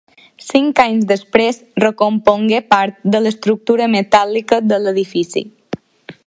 Cinc anys després recompongué part de l'estructura metàl·lica de l'edifici.